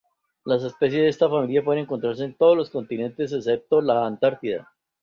Las especies de esta familia pueden encontrarse en todos los continentes excepto la Antártida.